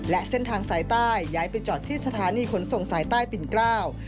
และเส้นทางสายใต้ย้ายไปจอดที่สถานีขนส่งสายใต้ปิ่นเกล้า